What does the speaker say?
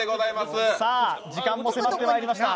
時間も迫ってまいりました。